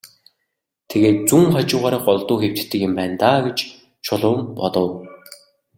Тэгээд зүүн хажуугаараа голдуу хэвтдэг юм байна даа гэж Чулуун бодов.